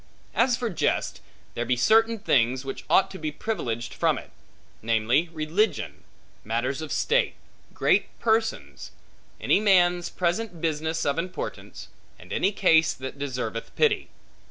As for jest, there be certain things, which ought to be privileged from it; namely, religion, matters of state, great persons, any man's present business of importance, and any case that deserveth pity.